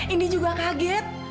indi juga kaget